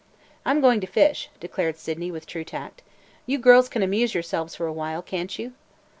"I 'm going to fish," declared Sydney with true tact. "You girls can amuse yourselves for a while, can't you?"